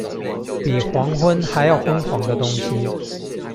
比黃昏還要昏黃的東西